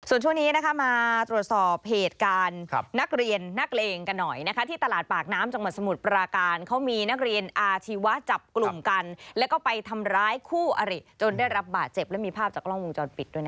ส่วนช่วงนี้มาตรวจสอบเหตุการณ์นักเรียนนักเลงกันหน่อยที่ตลาดปากน้ำจังหวัดสมุทรปราการเขามีนักเรียนอาชีวะจับกลุ่มกันแล้วก็ไปทำร้ายคู่อริจนได้รับบาดเจ็บและมีภาพจากกล้องวงจรปิดด้วยนะ